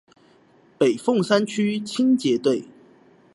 北鳳山區清潔隊